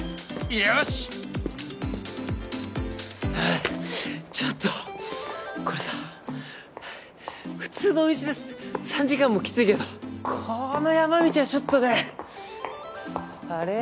あちょっとこれさ普通の道で３時間もきついけどこの山道はちょっとね。あれ？